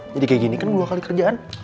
jadi kayak gini kan dua kali kerjaan